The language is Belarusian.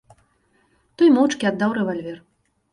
Той моўчкі аддаў рэвальвер.